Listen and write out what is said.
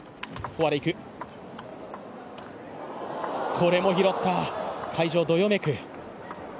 これも拾った、会場どよめく。